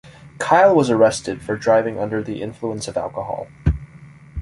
Kyle was arrested for driving under the influence of alcohol.